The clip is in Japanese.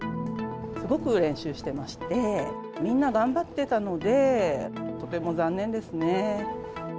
すごく練習していまして、みんな頑張ってたので、とても残念ですね。